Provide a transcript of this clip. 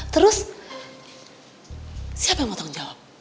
terus siapa yang mau tanggung jawab